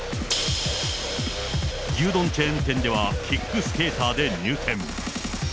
牛丼チェーン店ではキックスケーターで入店。